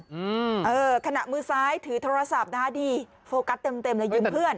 อืมเออขณะมือซ้ายถือโทรศัพท์นะฮะนี่โฟกัสเต็มเต็มเลยยืมเพื่อน